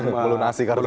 melunasi kartu kredit